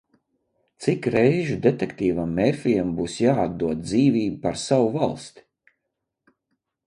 Cik reižu detektīvam Mērfijam būs jāatdod dzīvība par savu valsti?